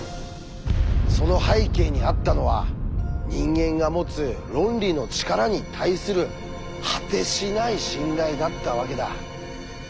その背景にあったのは人間が持つ論理の力に対する果てしない信頼だったわけだ。